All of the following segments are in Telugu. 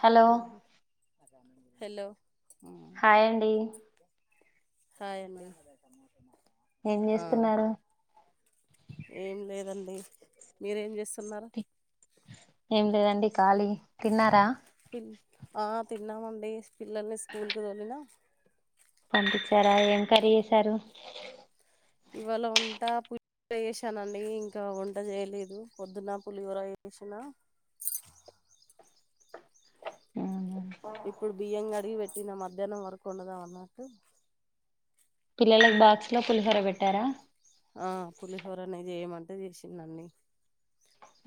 హలో హలో హాయ్ అండి హాయ్ అండి ఏం ఆ చేస్తున్నారు ఏం లేదండి మీరేం చేస్తున్నారు ఏం లేదండి ఖాళీ తిన్నారా ఆ తిన్నామండి పిల్లల్ని స్కూల్కి తోలిన పంపించారా ఏం కర్రి చేశారు ఇవాళ వంట పు ర చేసానండి ఇంకా వంట చేయలేదు పొద్దున పులిహోర చేసిన ఇప్పుడు బియ్యం అడిగి పెట్టిన మధ్యాహ్నం వరకు వండుదాం అన్నట్టు పిల్లలకు బాక్స్ లో పులిహోర పెట్టారా ఆ పులిహోరనే చేయమంటే చేసిండండి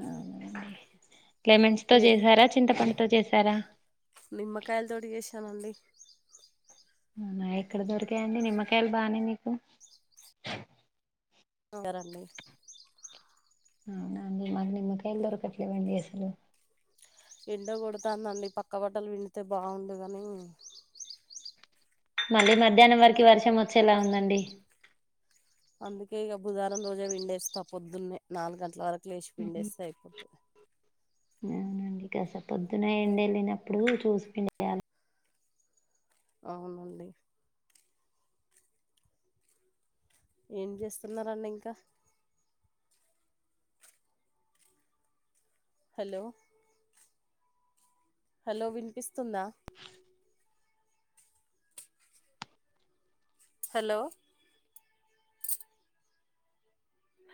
అవున అండి లెమన్స్ తో చేసారా చింతపండుతో చేసారా అండి నిమ్మకాయలతో చేశానండి అవునా ఇక్కడ దొరికాయండి నిమ్మకాయలు బాగానే మీకు రండి అవునా అండి మరి నిమ్మకాయలు దొరకట్లేదు అండి అసలు ఎండ కొడుతాందండి పక్క బట్టలు విండితే బాగుండు కాని మళ్ళీ మధ్యాహ్నం వరకి వర్షం వచ్చేలా ఉందండి అందుకే ఇక బుధారం రోజే పిండేస్తే పోద్దున్నే నాలుగు గంటల వరకు లేచి పిండేస్తే అయిపోతది అవునండి కస పొద్దునయండి వెళ్ళినప్పుడు చూసిపిం అవునండి ఏం చేస్తున్నారండి ఇంకా హలో హలో వినిపిస్తుందా హలో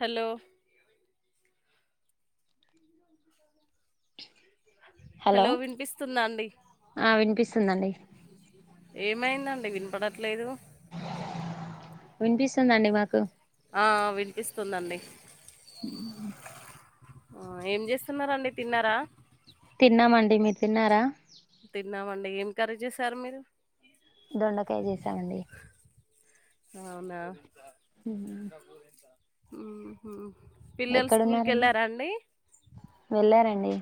హలో హలో వినిపిస్తుందా అండి ఆ వినిపిస్తుందండి ఏమైందండి వినపడట్లేదు వినిపిస్తుందండి మాకు ఆ వినిపిస్తుందండి ఆ ఏం చేస్తున్నారండి తిన్నారా తిన్నామండి మీరు తిన్నారా తిన్నామండి ఏం కర్రీ చేసారు మీరు దొండకాయ్ చేసామండి అవునా మ్ మ్ హు ఎక్కడున్నారండి వెళ్ళారండి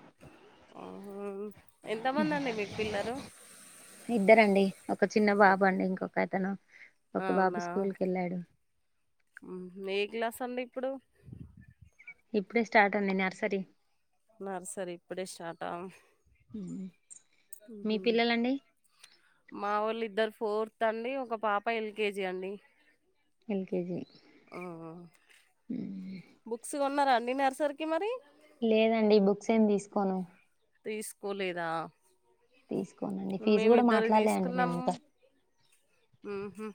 ఆహ ఎంతమంది అండి మీకు పిల్లలు ఇద్దరండి ఒక చిన్న బాబు అండి ఇంకొక అతను ఒక అవునా బాబు స్కూల్ కి వెళ్ళాడు ఏ క్లాస్ అండి ఇప్పుడు ఇప్పుడే స్టార్ట్ ఉండి నర్సరీ నర్సరి ఇప్పుడే స్టార్ట మ్ మీ హు పిల్లలండి మా వొళ్ళ ఇద్దరు ఫోర్త్ అండి ఒక పాప ఎల్కేజీ అండి ఎల్ కేజీ అ హా బుక్స్ కొన్నారా అండి నర్సరకి మరి లేదండి బుక్స్ ఏమ్ తీసుకోను తీసుకోలేదా తీసుకోనండి ఫీజు మేమి కూడా ఇద్దరి మాట్లాడలే అండి మేము తీసుకున్నాము ఇంకా మ్ హు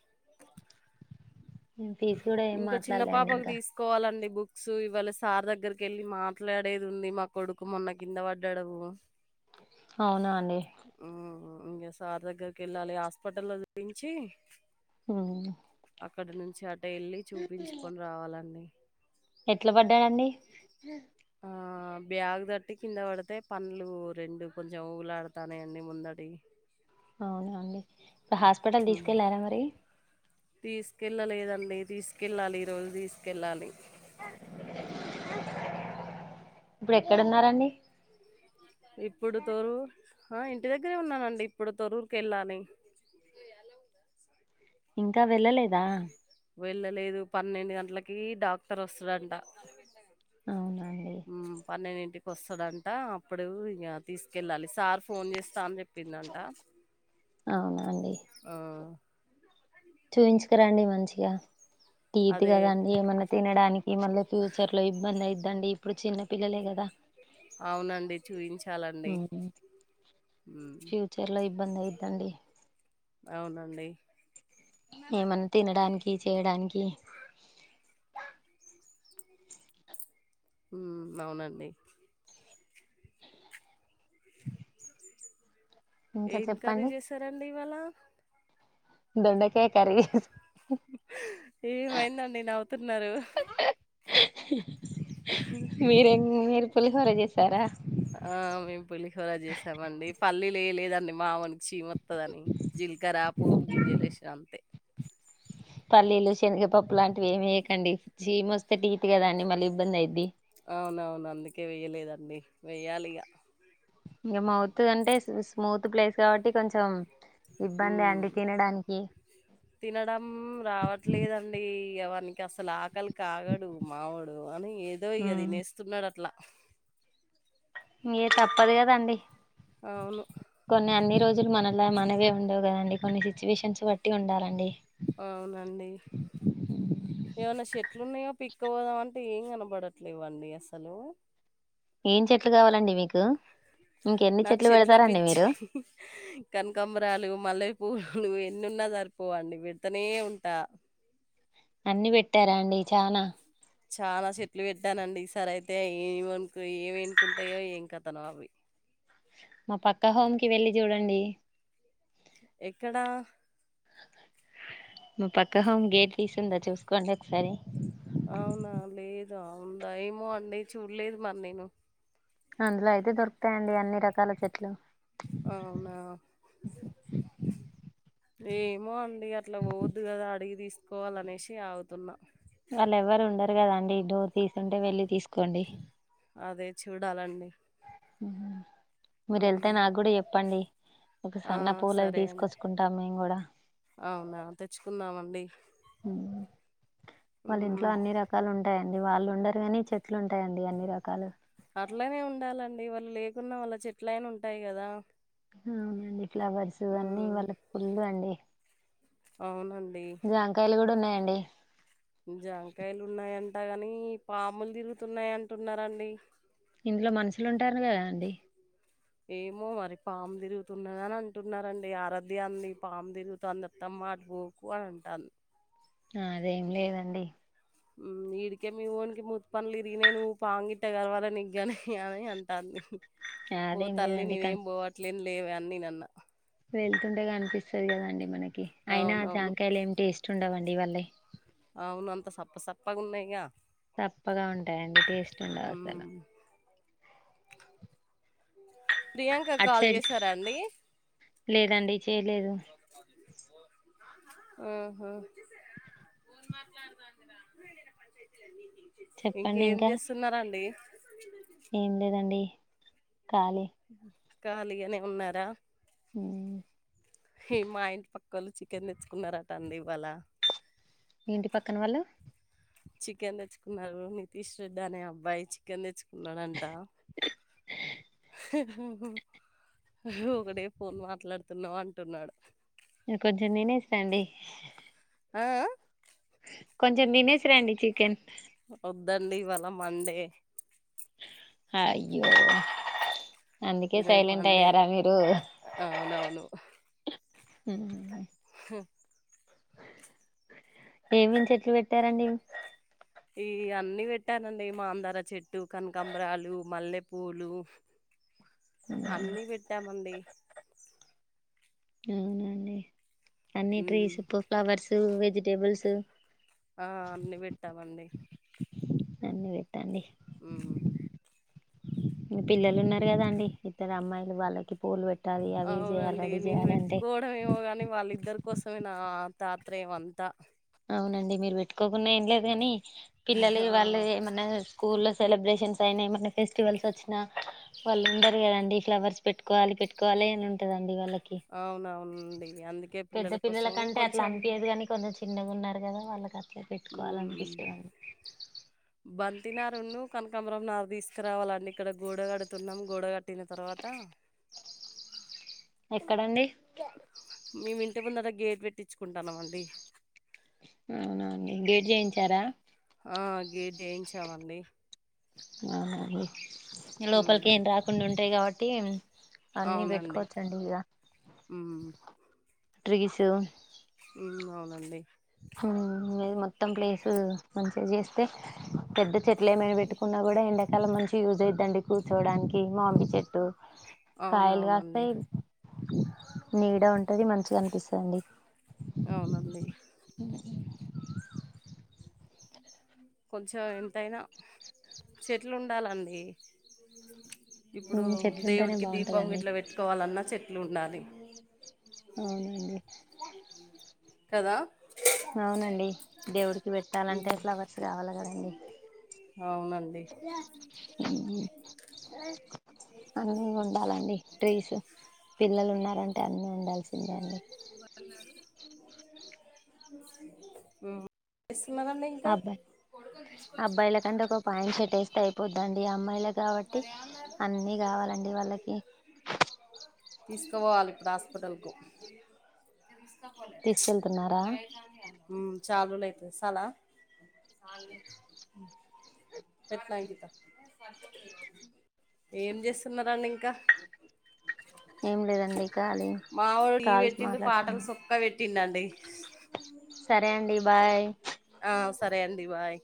ఫీజ్ కూడా ఏం మాట్లాడలేండి ఇంకా కోవాలండి బుక్స్ ఇవాళ సార్ దగ్గరకి వెళ్ళి మాట్లాడేది ఉంది మా కొడుకు మొన్న కింద పడ్డాడు అవునా అండి మ్ హు ఇంకా సార్ దగ్గరకి వెళ్ళాలి హాస్పిటలో చూయించి ఉ అక్కడ నుంచి అట వెళ్ళి చూపించుకొని రావాలండి ఎట్లా పడ్డాడండి ఆ బ్యాగు్ తట్టి కింద పడితే పండ్లు రెండు కొంచెం ఊగుల త్తనాయండి అండి ముందటి అవున అండి హాస్పిటల్ హ్మ్. తీసుకెళ్ళారా మరి తీసుకెళ్ళలేదండి తీసుకెళ్ళాలి ఈరోజు తీసుకెళ్ళాలి ఇప్పుడు ఎక్కడ ఉన్నారండి ఇప్పుడు తొర్రూర్ ఆ ఇంటి దగ్గరే ఉన్నానండి ఇప్పుడు తరూరుకి వెళ్ళాలి ఇంకా వెళ్ళలేదా వెళ్ళలేదు పన్నెండు గంటలకి డాక్టర్ వస్తాడంట. అవునా అండి మ్ పన్నెండింటికి వస్తాడంట అప్పుడు ఇగ తీసుకెళ్ళాలి సార్ ఫోన్ చేస్తా అని చెప్ చెప్పిందంట అవునా అండి ఆ చూయించుకు రాండి మంచిగ. టీత్ అదే కదండి ఏమన్నా తినడానికి మళ్ళీ ఫ్యూచర్ లో ఇబ్బంది అయిద్దండి. ఇప్పుడు చిన్న పిల్లలే కదా అవునండి చూయించాలండి. మ్ చర్లో ఇబ్బంది అయిద్దండి. అవునండి ఏమన్న తినడానికి, చేయడానికి మ్ అవునండి. ఇంకా ఏం కర్రి చెప్పండి చేసారండి ఇవాళ దొండకాయ కర్రీ ఏమైందండి నవ్వుతున్నారు? మీరేమి మీరు పులిహోర చేసారా? ఆ మేము పులిహొర చేసామండి. పల్లీలు వేయలేదండి మావోనికి సీమోత్ త్తదని జీలకర్ర పోపు గింజలు వేసిన అంతే పల్లీలు, శనగపప్పు లాంటివి ఏమేయకండి. సీమోత్తే టీత్ కద అండి మళ్ళీ ఇబ్బంది అయ్యిద్ది. అవునవును అందుకే వెయ్యలేదండి. వెయ్యాలిగ ఇంక మౌత్ అంటే స్మూత్ ప్లేస్ కాబట్టి కొంచెం ఇబ్బందె హ్మ్. అండి తినడానికి. తినడం రావట్లేదండి. ఎ వానికి అసలు ఆకలి కాగడు మావోడు కాని ఏదో ఇగ ఉమ్ తినేస్తున్నాడు అట్లా ఇంగ తప్పదు కదండి అవును కొన్ని అన్ని రోజులు మనలా మనవే ఉండవు కదండి! కొన్ని సిచ్యువేషన్స్ బట్టి ఉండాలండి. అవునండి ఏమన్న చెట్లున్నాయా పిక్కపోదాం అంటే ఏం కనబడట్లేవండి అస్సలు. ఏం చెట్లు కావాలండి మీకు? ఇంకెన్ని చెట్లు పెడతారండి మీరు? మ్ కనకాంబరాలు, మల్లె పూలు ఎన్నున్నా సరిపోవండి పెడతనే ఉంటా. అన్ని పెట్టారా అండి చాన? చాల చెట్లు పెట్టానండి ఈసారి అయితే ఏమను ఏమేనుకుంటాయో ఏంకతనో అవి మా పక్క హోమ్ కి వెళ్ళి చూడండి ఎక్కడ మా పక్క హోమ్ గేట్ తీసుందా చూసుకోండి ఒకసారి. అవునా లేదు ఆ ఉండాయేమో అండి చూడలేదు మరి నేను అందులో అయితే దొరుకుతాయండి అన్ని రకాల చెట్లు అవునా ఏమో అండి అట్ల పోవొద్దు కదా అడిగి తీసుకోవాలనేసి ఆగుతున్న. వాళ్ళు ఎవరు ఉండరు కదా అండి డోర్ తీసుంటే వెళ్లి తీసుకోండి అదే చూడాలండి. మ్ మీరెళ్తే ఉమ్. నాగ్గుడ చెప్పండి. ఒక ఆ సన్న పూలది సరే అండి తీసుకొచ్చుకుంటాం మేమ్ గూడ అవునా తెచ్చుకుందామండి. మ్ వాళ్ళింట్లో అన్ని రక్ కాలు ఉంటయండి వాళుండరు గానీ చెట్లు ఉంటయండి అన్ని రకాలు. అట్లనే ఉండాలండి వాళ్ళు లేకున్నా వాళ్ళ చెట్లైనా ఉంటాయి గదా. హా అవునండి ఫ్లవర్సూ అన్నీ వాళ్ళక్ ఫుల్లూ అండి అవునండి జాం కాయలు గూడ ఉన్నాయండి. జాంకాయలు ఉన్నాయంట గానీ పాములు తిరుగుతున్నాయి అంటున్నారండి. ఇంట్లో మనుషులుంటాన్రు గదా అండి. ఏమో మరి పామ్ తిరుగుతున్నదనటున్నా రండి ఆరాధ్య అంది పామ్ తిరుగుతాంది అత్తమ్మా అటు బో కు అని అంటాంద్ ఆ అదేం లేదండి ఊ ఈడికే మీ ఓనికి మూత్ పండ్లిరిగినయి నువ్ పామ్ గిట్ట గరవాలే నీగ్గాని అని అం టాంది ఆ! ఓ అదేం తల్లి లేదండి కానీ నేనేం బోవట్లేన్ లేవే అని నేనన్నా. వెళ్తుంటే కనిపిస్తది గదాండి మనకి. అయినా ఆ అవునవును జాంకాయలు ఏమ్ టేస్ట్ ఉండవండి వాళ్ళయ్. అవును అంత సప్ప సప్పగున్నయిగా సప్పగా ఉంటాయండి టేస్ట్ ఉండవ్ అసలు. మ్మ్. ప్రియాంక క్ అటు కాల్ సైడ్ చేసారా అండీ. లేదండి చేయలేదు ఆహా చెప్పండి ఇంకేం ఇంకా జేస్తున్నారండి ఏం లేదండి ఖాళీ ఖాళీగనే ఉన్నారా హ్మా హే మా ఇంటి పక్కోళ్ళు చికెన్ దెచ్చుకున్నరటా అండి ఇవ్వాళా. మీ ఇంటి పక్కన వాళ్ళు చికెన్ దెచ్చుకున్నారు నితీష్ రెడ్డి అనే అబ్బాయి చికెన్ తెచ్చుకున్నాడు అంటా. ఒకటే ఫోన్ మాట్లాడుతున్నావు అంటున్నాడు. ఇంకొంచెం తినేసి రండీ ఆ ఆ కొంచెం దినేసిరండి చికెన్ వద్దండి ఇవాళా మండే హాయ్యో అందుకే ఈరోజు సైలెంట్ మండే అయ్యారా మీరు అవునవును ఊ. హు ఏమేమ్ చెట్లు వెట్టారండి ఈ ఇగా అన్నీ వెట్టానండి మాందారా చెట్టు, కన్కాంబరాలు, మల్లెపూలూ అన్నీ వెట్టామ్మండీ అవునా అండి అన్నీ ఉమ్ ట్రీసు, ప్ ఫ్లవర్సూ, వెజిటేబుల్సూ. ఆ అన్నీ వెట్టామండి. అన్నీ వెట్టండి ఊహు మీ పిల్లలున్నారు గదా అండి ఇద్దరు అమ్మాయిలు వాళ్ళకి పూలు పెట్ టాలి అవి జేయాలి అవునండి రెడి నేను జేయ్యాలి అంటే పెట్టుకోవడం ఏమో గాని వాళ్ళిద్దరికోసమే నా ఆ తాత్రయం అంతా. అవునండి మీరు పెట్టుకోకున్నా ఏం లేదు గానీ పిల్లలు ఆ వాళ్ళు ఏమన్నా. స్కూల్లో సెలబ్రేషన్స్ అయినా ఏమన్నా ఫెస్టివల్స్ వచ్చినా. వాళ్ళు ఉండరు గదండి ఫ్లవర్స్ పెట్టుకోవాలి పెట్టుకోవాలి అని ఉంటదండి వాళ్ళక్. అవునవునండి అందుకే పెద్ద పిల్లల కోసం కంటే అట్ల కొంచెం అనిపియ్యదు కాని కొంత చిన్నగా ఉన్నారు కదా వాళ్ళకి అట్లా పెట్టుకోవాలనిపిస్తది బంతినారున్న కనకాంబరం నార్ తీసుకురావాలండి ఇక్కడ గోడ కడుతున్నాం గోడ కట్టిన తర్వాత ఎక్కడండి మేము ఇంటే ముందట గేట్ పెట్టించుకుంటాన్నాం అండి అవునండి గేట్ చేయించారా ఆ గేట్ చేయించమండి ఆహా అండి లోపలికి హ్మ్ ఏం రాకుండా ఉంటాయి కాబట్టి అన్నీ అవునండి పెట్కోచ్చండి ఇగ హ్మ్ ట్రీసు ఉ అవునండి ఊ మీది మొత్తం ప్లేస్ మంచిగా చేస్తే పెద్ద చెట్లు ఏమైనా పెట్టుకున్నా కూడా ఎండాకాలం మంచి యూజయిద్దండి కూర్చోవడానికి మామిడి చెట్ అవునవునండి కాయలుగాస్తాయి నీడ ఉంటది మంచిగా అనిపిస్తదండి అవునండి ఉహు కొంచెం ఎంతయినా చెట్లు ఉండాలండి ఇప్పుడు చెట్లు ఉంటేనే దేవుడికి దీపం బాగుంటదండి ఇట్లా పెట్ పెట్టుకోవాలన్నా చెట్లు ఉండాలి అవునండి కదా అవునండి దేవుడికి పెట్టాలంటే ఉమ్, ఫ్లవర్స్ కావాలి కదండీ అవునండి ఊ అన్నీ ఉండాలండి ట్రీస్ పిల్లలు ఉన్నరంటే అన్నీ ఉండాల్సిందే అండి ఊ ఏం చేసున్నరండి ఇంకా ఎల్లకండి ఒకోప్ పాన్ చెట్టేస్తే అయిపోద్దండి అమ్మాయిలు కాబట్టి అన్ని కావాలండి వాళ్ళకి తీసుకపోవాలి ఇప్పుడు హాస్పిటల్కు ఇగ తీస్కపోలే నిన్ను తీసుకెళ్తున్నారా నల్లగా అయితంది కదనే ఊ చాల్ రోజలైతంది సాలా పెట్లంకిత ఏం చేస్తున్నారండి ఇంకా ఏం లేదండి ఖాళీ మావోడు టీవీ కాల్స్ పెట్టిండు పాటలు మాట్లాడుతున్నాం సుక్కా పెట్టిండండి సరే అండి బాయ్ ఆ సరే అండి బాయ్